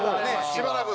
しばらくね。